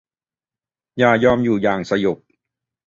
อย่ายอมอยู่อย่างสยบ